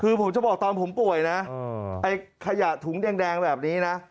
คือผมจะบอกตอนผมป่วยนะไอ้ขยะถุงแดงแบบนี้นะ